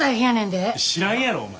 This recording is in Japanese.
知らんやろお前。